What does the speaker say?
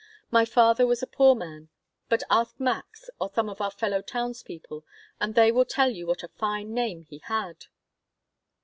My father was a poor man, but ask Max or some of our fellow townspeople and they will tell you what a fine name he had."